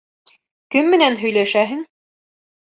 Кем менән һөйләшәһең?